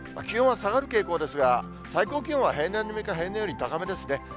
気温は下がる傾向ですが、最高気温は平年並みか平年より高めですね。